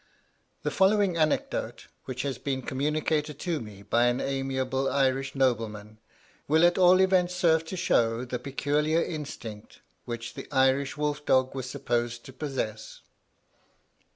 The following anecdote, which has been communicated to me by an amiable Irish nobleman, will at all events serve to show the peculiar instinct which the Irish wolf dog was supposed to possess.